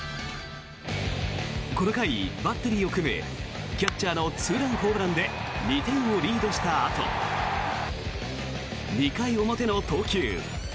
この回、バッテリーを組むキャッチャーのツーランホームランで２点をリードしたあと２回表の投球。